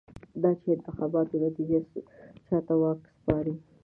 دا چې د انتخاباتو نتېجه چا ته واک سپاري.